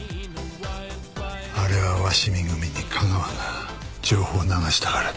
あれは鷲見組に架川が情報を流したからだ。